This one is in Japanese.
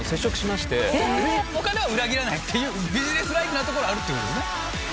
お金は裏切らないっていう、ビジネスライクなところ、あるってことですね？